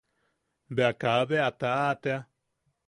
Bea kabe a taʼa tea.